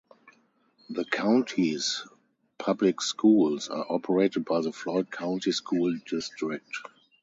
The county's public schools are operated by the Floyd County School District.